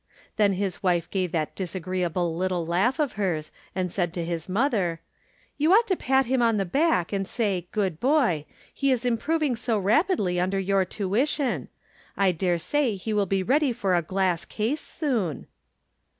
Then his wife gave that disagreeable little laugh of hers, and said to his mother : From Different Standpoints. 141 " You ought to pat him on the back, and say ' Good boy.' He is improving so rapidly under your tuition! I dare say he will be ready for a glass case soon